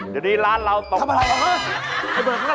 เดี๋ยวนี้ร้านเราตกใจทำอะไรล่ะ